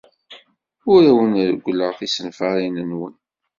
Ur awen-reggleɣ tisenfarin-nwen.